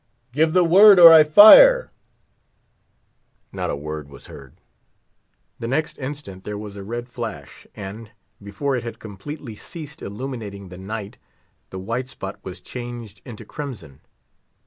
"Give the word, or I fire!" Not a word was heard. The next instant there was a red flash, and, before it had completely ceased illuminating the night the white spot was changed into crimson.